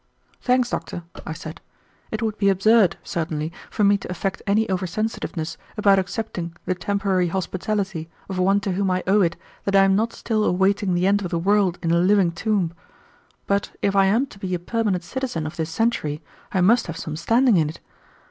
"Thanks, doctor," I said. "It would be absurd, certainly, for me to affect any oversensitiveness about accepting the temporary hospitality of one to whom I owe it that I am not still awaiting the end of the world in a living tomb. But if I am to be a permanent citizen of this century I must have some standing in it.